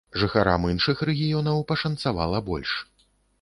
Жыхарам іншых рэгіёнаў пашанцавала больш.